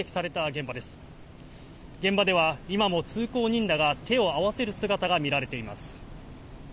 現場では今も通行人らが手を合わせる姿が見られています。